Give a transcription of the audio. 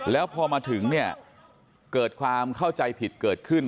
แล้วพอมาถึงเนี่ยเกิดความเข้าใจผิดเกิดขึ้น